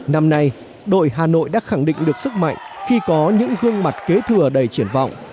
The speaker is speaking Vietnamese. năm nay đội hà nội đã khẳng định được sức mạnh khi có những gương mặt kế thừa đầy triển vọng